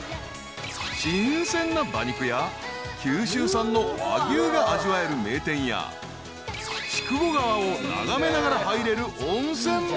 ［新鮮な馬肉や九州産の和牛が味わえる名店や筑後川を眺めながら入れる］